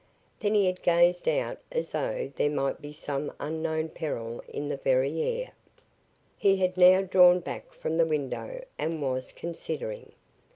Then he had gazed out as though there might be some unknown peril in the very air. He had now drawn back from the window and was considering.